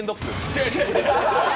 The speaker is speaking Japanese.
違う違う。